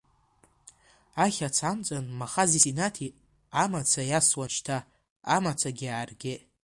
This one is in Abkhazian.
Ахьаца амҵан Махази Синаҭи амаца иасуан шьҭа амацагьы ааргеит.